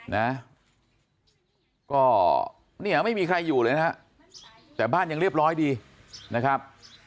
นะก็เนี่ยไม่มีใครอยู่เลยนะฮะแต่บ้านยังเรียบร้อยดีนะครับ